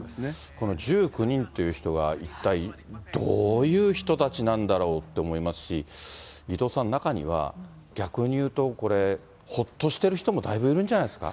この１９人という人は、一体どういう人たちなんだろうって思いますし、伊藤さん、中には、逆に言うと、これ、ほっとしてる人もだいぶいるんじゃないですか。